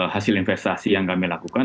hasil investasi yang kami lakukan